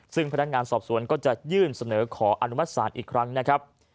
ซึ่งพนักงานสอบสวนก็จะยื่นเสนอขออนุมัติศาลอีกครั้งนะครับ